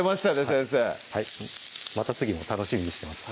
先生はいまた次も楽しみにしてます